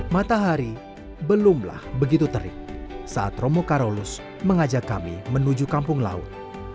matahari belumlah begitu terik saat romo karolus mengajak kami menuju kampung laut